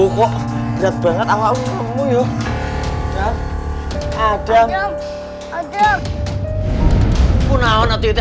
kok berat banget